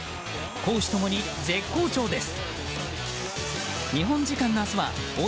攻守ともに絶好調です。